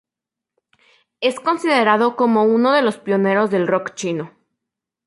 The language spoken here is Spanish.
Es considerado como uno de los pioneros del rock chino.